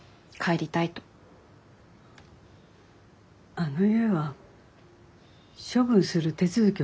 あの家は処分する手続きを取りました。